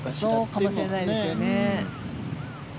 そうかもしれないですよね。